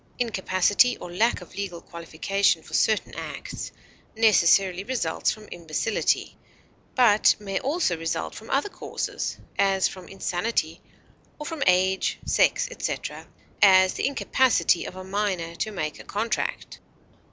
Incapacity, or lack of legal qualification for certain acts, necessarily results from imbecility, but may also result from other causes, as from insanity or from age, sex, etc.; as, the incapacity of a minor to make a contract.